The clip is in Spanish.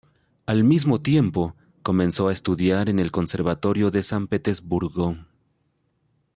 Al mismo tiempo, comenzó a estudiar en el Conservatorio de San Petersburgo.